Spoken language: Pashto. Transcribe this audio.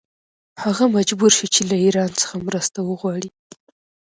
هغه مجبور شو چې له ایران څخه مرسته وغواړي.